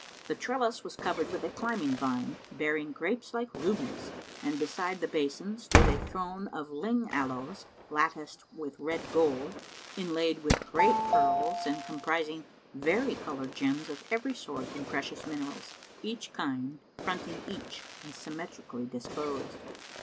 The trellis was covered with a climbing vine, bearing grapes like rubies, and beside the basin stood a throne of lign aloes latticed with red gold, inlaid with great pearls and comprising vari coloured gems of every sort and precious minerals, each kind fronting each and symmetrically disposed.